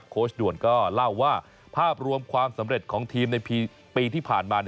ด่วนก็เล่าว่าภาพรวมความสำเร็จของทีมในปีที่ผ่านมา